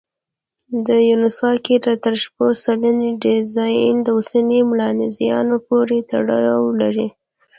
دینسووا کې تر شپږ سلنې ډياېناې د اوسني ملانزیایانو پورې تړاو لري.